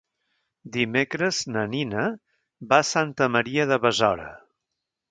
Dimecres na Nina va a Santa Maria de Besora.